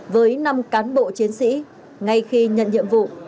với năm cán bộ chiến sĩ ngay khi nhận nhiệm vụ